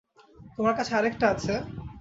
তোমার কাছে আরেকটা আছে?